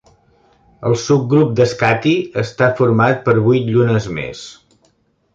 El subgrup de Skathi està format per vuit llunes més.